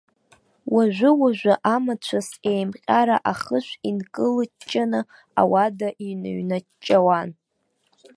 Уажәы-уажәы амацәыс еимҟьара ахышә инкылыҷҷаны ауада иныҩнаҷҷауан.